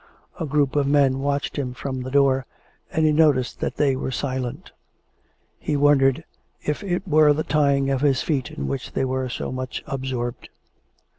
A group of men watched him from the door, and he noticed that they were silent. He wondered if it were the tying of his feet in which they were so much absorbed.